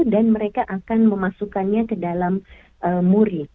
dan mereka akan memasukkannya ke dalam muri